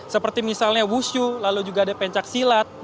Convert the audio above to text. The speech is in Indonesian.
seperti misalnya wushu lalu juga ada pencak silat